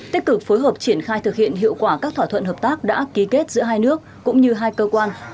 tích cực phối hợp triển khai thực hiện hiệu quả các thỏa thuận hợp tác đã ký kết giữa hai nước cũng như hai cơ quan